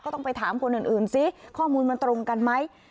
ต้องไปถามคนอื่นซิข้อมูลมันตรงกันไหม